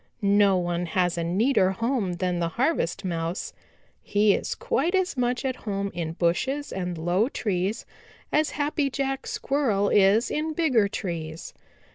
No one has a neater home than the Harvest Mouse. He is quite as much at home in bushes and low trees as Happy Jack Squirrel is in bigger trees.